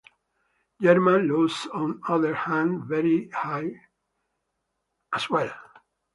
German losses on the other hand were very high as well.